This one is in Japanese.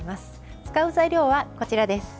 使う材料は、こちらです。